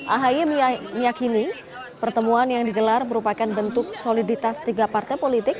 ahy meyakini pertemuan yang digelar merupakan bentuk soliditas tiga partai politik